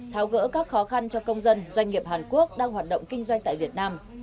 tháo gỡ các khó khăn cho công dân doanh nghiệp hàn quốc đang hoạt động kinh doanh tại việt nam